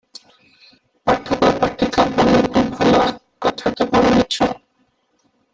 ପାଠକ ପାଠିକା ବୋଲନ୍ତୁ ଭଲା, କଥାଟା କଣ ମିଛ?